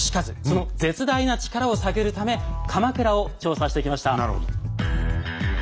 その絶大な力を探るため鎌倉を調査してきました。